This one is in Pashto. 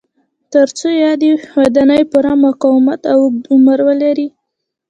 ترڅو یادې ودانۍ پوره مقاومت او اوږد عمر ولري.